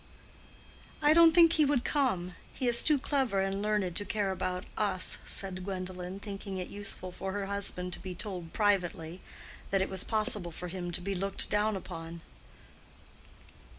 "I don't think he would come. He is too clever and learned to care about us," said Gwendolen, thinking it useful for her husband to be told (privately) that it was possible for him to be looked down upon.